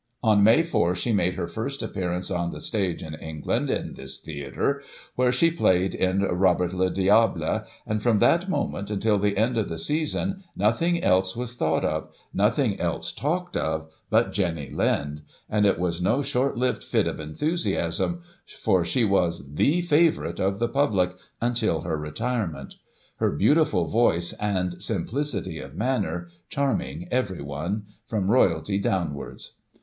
On May 4 she made her first appearance on the Stage in England — in this Theatre — where she played in " Robert le Diable," and, from that moment, until the end of the season, nothing else was thought of — ^nothing else talked of — but Jenny Lind, and it was no short lived fit of enthusiasm, for she was the favourite of the public until her retirement ; her beautiful voice and simplicity of manner charming everyone, from Royalty downwards.